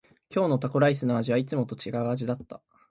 今日のタコライスの味はいつもと違う味だった。